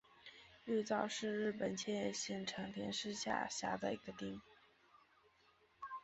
玉造是日本千叶县成田市下辖的一个町。